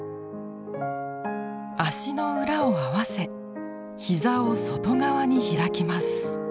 脚の裏を合わせ膝を外側に開きます。